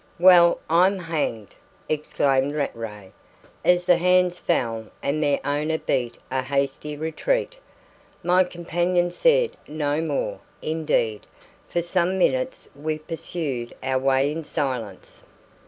"Well, I'm hanged!" exclaimed Rattray, as the hands fell and their owner beat a hasty retreat. My companion said no more; indeed, for some minutes we pursued our way in silence.